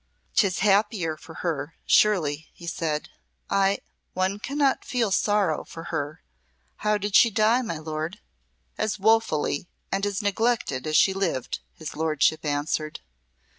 "'Tis happier for her, surely," he said. "I one cannot feel sorrow for her. How did she die, my lord?" "As woefully and as neglected as she lived," his lordship answered.